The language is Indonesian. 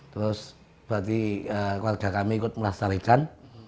terus berarti keluarga kami ikut melestarikan